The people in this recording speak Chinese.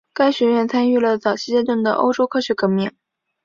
该学院参与了早期阶段的欧洲科学革命。